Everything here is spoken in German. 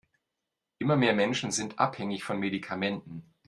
Immer mehr Menschen sind abhängig von Medikamenten.